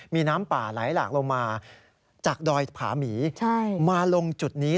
มีน้ำป่าไหลหลากลงมาจากดอยผาหมีมาลงจุดนี้